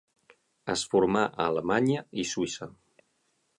Es formà a Alemanya i Suïssa.